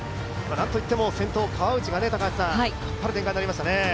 なんといっても先頭、川内が引っ張る展開になりました。